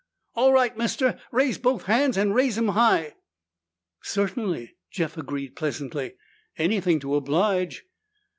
"All right, mister! Raise both hands and raise 'em high!" "Certainly," Jeff agreed pleasantly. "Anything to oblige."